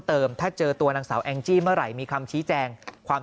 ถ้าเจอตัวนางสาวแองจี้เมื่อไหร่มีคำชี้แจงความ